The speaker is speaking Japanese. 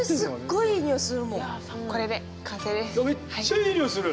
いやめっちゃいい匂いする。